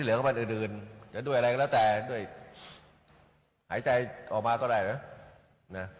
เหลือของมันอื่นอย่างด้วยอะไรก็แล้วแต่หายใจออกมาก็ได้เนี่ย